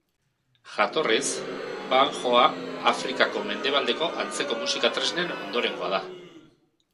Jatorriz, banjoa Afrikako mendebaldeko antzeko musika-tresnen ondorengoa da.